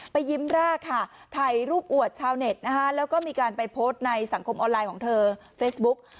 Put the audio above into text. ยิ้มแรกค่ะถ่ายรูปอวดชาวเน็ตนะคะแล้วก็มีการไปโพสต์ในสังคมออนไลน์ของเธอเฟซบุ๊ก